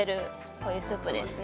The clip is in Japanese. こういうスープですね